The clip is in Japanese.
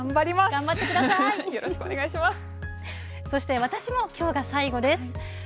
そして私もきょうが最後です。